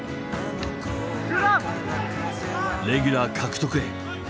レギュラー獲得へ。